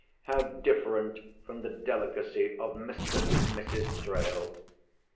How different from the delicacy of Mr. and Mrs. Thrale!